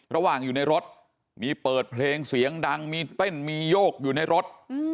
ระหว่างอยู่ในรถมีเปิดเพลงเสียงดังมีเต้นมีโยกอยู่ในรถ